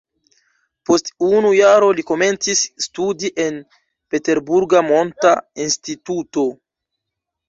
Post unu jaro li komencis studi en peterburga monta instituto.